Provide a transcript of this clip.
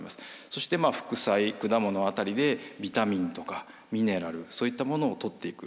そして副菜果物辺りでビタミンとかミネラルそういったものをとっていく。